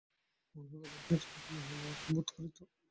কোনোমতে তাঁহার সহিত সাক্ষাৎ না হইলেই আরাম বোধ করিত।